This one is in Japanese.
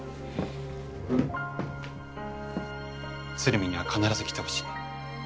鶴見には必ず来てほしい。